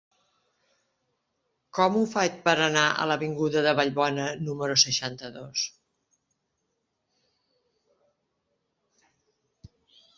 Com ho faig per anar a l'avinguda de Vallbona número seixanta-dos?